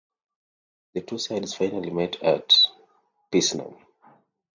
The two sides finally met at Picenum.